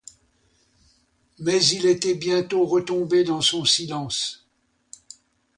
Mais il était bientôt retombé dans son silence.